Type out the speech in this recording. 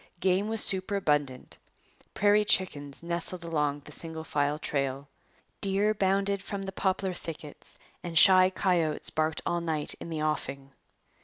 Game was superabundant. Prairie chickens nestled along the single file trail. Deer bounded from the poplar thickets and shy coyotes barked all night in the offing.